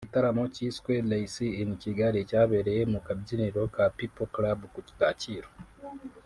Igitaramo cyiswe ‘Ray C in Kigali’ cyabereye mu kabyiniro ka People Club ku Kacyiru